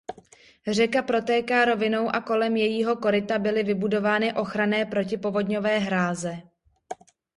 Řeka protéká rovinou a kolem jejího koryta byly vybudovány ochranné protipovodňové hráze.